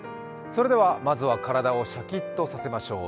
それでは、まずは体をシャキッとさせましょう。